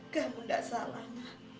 kamu gak salah